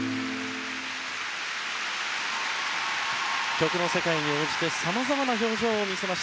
曲の世界に応じてさまざまな表情を見せました。